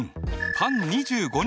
パン２５人。